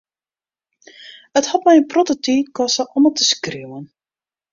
It hat my in protte tiid koste om it te skriuwen.